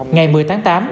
ngày một mươi tháng tám